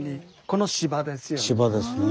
この柴ですよね。